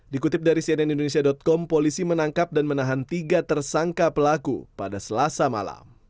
dikutip dari cnn indonesia com polisi menangkap dan menahan tiga tersangka pelaku pada selasa malam